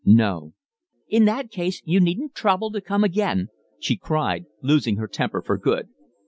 "No." "In that case you needn't trouble to come again," she cried, losing her temper for good.